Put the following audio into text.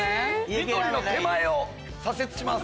ニトリの手前を左折します。